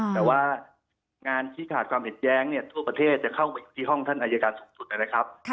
แต่ว่างานที่ขาดความเห็นแย้งทั่วประเทศจะเข้าไปอยู่ที่ห้องท่านอายการสูงสุดนะครับ